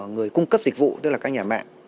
người cung cấp dịch vụ tức là các nhà mạng